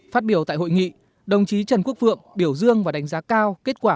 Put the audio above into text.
phát biểu tại hội nghị đồng chí trần quốc phượng biểu dương và đánh giá cao kết quả